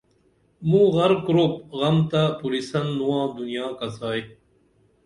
موں غر کُرُپ غم تہ پُرِسن نُواں دنیا کڅائی